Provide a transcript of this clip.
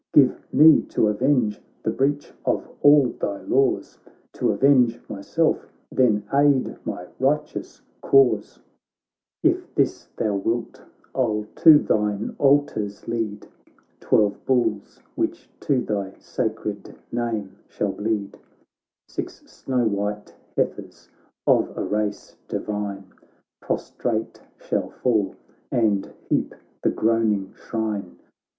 Give me t' avenge the breach of all thy laws, T' avenge myself, then aid my righteous cause ! 14 THE BATTLE OF MARATHON If this thou wilt, I'll to thine altars lead Twelve bulls which to thy sacred name shall bleed, Six snow white heifers of a race divine Prostrate shall fall, and heap the groaning shrine.